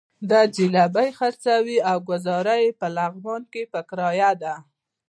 دی ځلوبۍ خرڅوي او ګوزاره یې په لغمان کې په کرايه ده.